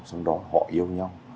xong đó họ yêu nhau